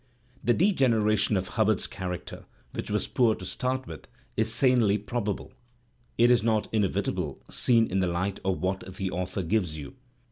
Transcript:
The degeneration of Hubbard's character, which was poor to start with, is sanely probable; it is not inevitable seen in the light of what the author gives you.